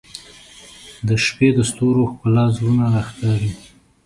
• د شپې د ستورو ښکلا زړونه راښکاري.